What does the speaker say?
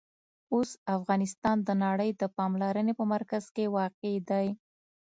اوس افغانستان د نړۍ د پاملرنې په مرکز کې واقع دی.